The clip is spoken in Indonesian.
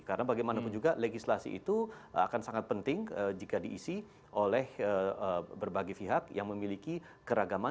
karena bagaimanapun juga legislasi itu akan sangat penting jika diisi oleh berbagai pihak yang memiliki keragaman